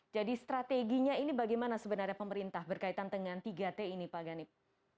jadi strateginya ini bagaimana sebenarnya pemerintah berkaitan dengan tiga t ini pak ganip